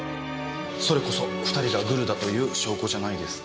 それこそ２人がグルだという証拠じゃないですか。